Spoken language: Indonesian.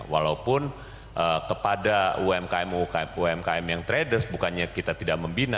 walaupun kepada umkm umkm yang traders bukannya kita tidak membina